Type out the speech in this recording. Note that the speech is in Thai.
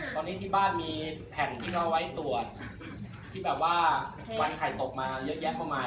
ตอนนี้ที่บ้านมีแผ่นที่น้องไว้ตรวจที่แบบว่าวันไข่ตกมาเยอะแยะมากมาย